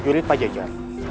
jadinya pak jajaran